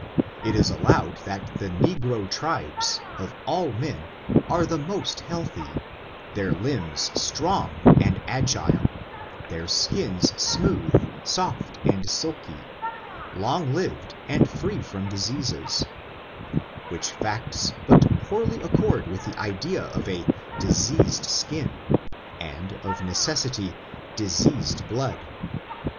It is allowed that the negro tribes, of all men, are the most healthy, their limbs strong and agile, their skins smooth, soft and silky — long lived and free from diseases ; which facts but poorly accord with the idea of a diseased skin and, of necessity, diseas ed blood.